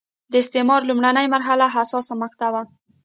د استعمار لومړنۍ مرحله حساسه مقطعه وه.